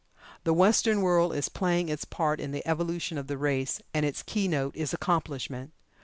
The Western world is playing its part in the evolution of the race, and its keynote is "Accomplishment."